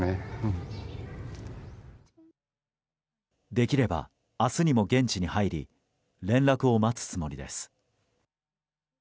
できれば明日にも現地に入り連絡を待つつもりです。